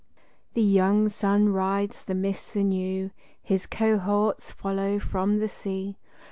THE young sun rides the mists anew; his cohorts follow from the sea.